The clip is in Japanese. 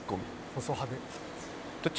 細派手。